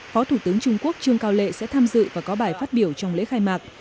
phó thủ tướng trung quốc trương cao lệ sẽ tham dự và có bài phát biểu trong lễ khai mạc